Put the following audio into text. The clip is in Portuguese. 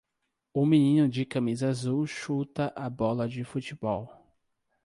O menino de camisa azul chuta a bola de futebol.